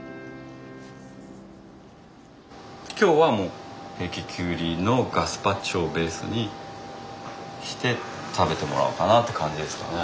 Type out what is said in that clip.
今日はもう平家キュウリのガスパチョをベースにして食べてもらおうかなって感じですかね。